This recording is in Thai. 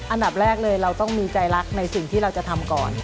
อันดับแรกเลยเราต้องมีใจรักในสิ่งที่เราจะทำก่อน